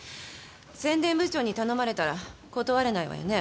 宣伝部長に頼まれたら断れないわよね。